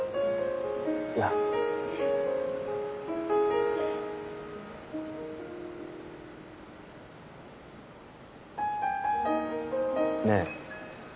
いや。ねぇ。